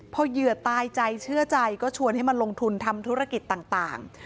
พอเหยื่อตายใจเชื่อใจก็ชวนให้มาลงทุนทำธุรกิจต่าง